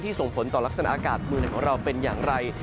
ส่งผลต่อลักษณะอากาศเมืองไหนของเราเป็นอย่างไร